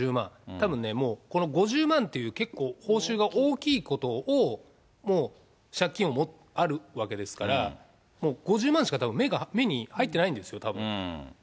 たぶんね、もうこの５０万っていう、結構、報酬が大きいことを、もう、借金があるわけですから、５０万しか目に入ってないんですよ、たぶん。